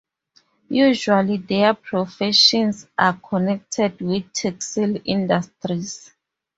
Usually their professions are connected with textile industries.